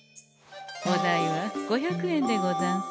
お代は５００円でござんす。